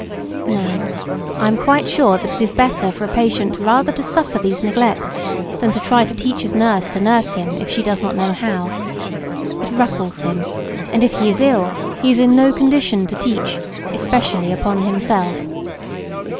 Now I am quite sure that it is better for a patient rather to suffer these neglects than to try to teach his nurse to nurse him, if she does not know how. It ruffles him, and if he is ill he is in no condition to teach, especially upon himself.